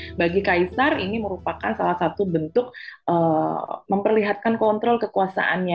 dan bagi kaisar ini merupakan salah satu bentuk memperlihatkan kontrol kekuasaannya